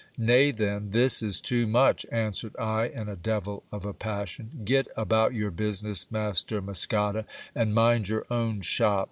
Nay, then ! this is too much, answered I, in a devil of a passion. Get about your business, Master Muscada, and mind your own shop.